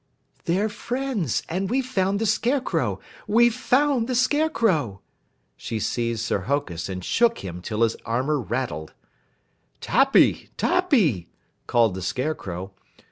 "They're friends, and we've found the Scarecrow, we've found the Scarecrow!" She seized Sir Hokus and shook him till his armor rattled. "Tappy! Tappy!" called the Scarecrow.